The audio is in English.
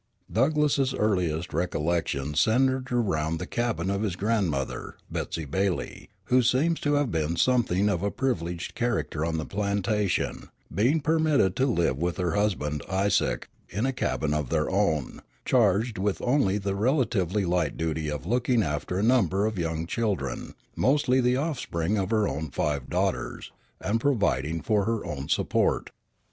Douglass's earliest recollections centered around the cabin of his grandmother, Betsey Bailey, who seems to have been something of a privileged character on the plantation, being permitted to live with her husband, Isaac, in a cabin of their own, charged with only the relatively light duty of looking after a number of young children, mostly the offspring of her own five daughters, and providing for her own support.